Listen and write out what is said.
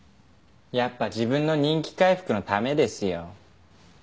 やっぱ自分の人気回復のためですよ。